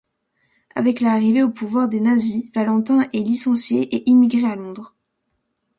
Avec l'arrivée au pouvoir des nazis, Valentin est licencié et émigre à Londres.